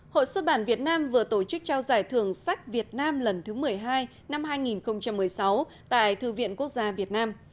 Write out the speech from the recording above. hội xuất bản việt nam vừa tổ chức trao giải thưởng sách việt nam lần thứ một mươi hai năm hai nghìn một mươi sáu tại thư viện quốc gia việt nam